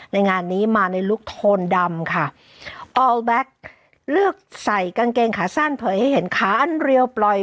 งานนี้มาในลุคโทนดำค่ะออลแบ็คเลือกใส่กางเกงขาสั้นเผยให้เห็นขาอันเรียวปล่อย